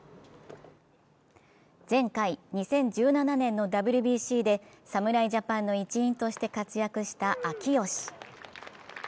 前回、２０１７年のＷＢＣで侍ジャパンの一員として活躍した秋吉。